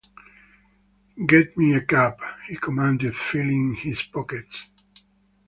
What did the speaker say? "Get me a cab," he commanded, feeling in his pockets.